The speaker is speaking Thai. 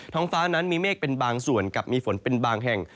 ห้องฟ้านั้นมีเมฆเป็นบางส่วนกับมีฝนเป็นบางแห่ง